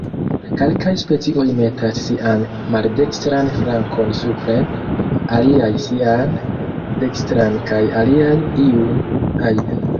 Kelkaj specioj metas sian maldekstran flankon supren, aliaj sian dekstran kaj aliaj iun ajn.